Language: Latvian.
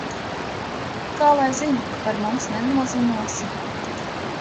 Kā lai zinu, Ka par mums nenoziņosi?